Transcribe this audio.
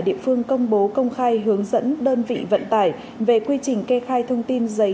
địa phương công bố công khai hướng dẫn đơn vị vận tải về quy trình kê khai thông tin giấy